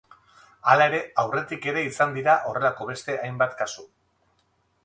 Hala ere, aurretik ere izan dira horrelako beste hainbat kasu.